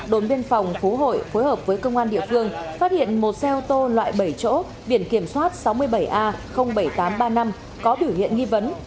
đồn biên phòng phú hội phối hợp với công an địa phương phát hiện một xe ô tô loại bảy chỗ biển kiểm soát sáu mươi bảy a bảy nghìn tám trăm ba mươi năm có biểu hiện nghi vấn